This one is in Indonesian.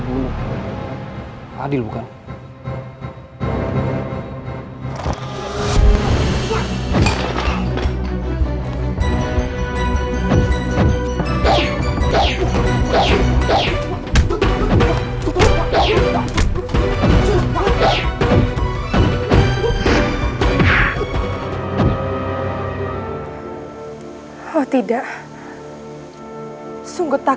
mohon maaf raden sedang menunggu